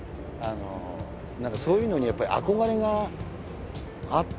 何かそういうのにやっぱり憧れがあったんでしょうね。